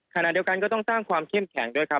ขณะเดียวกันก็ต้องสร้างความเข้มแข็งด้วยครับ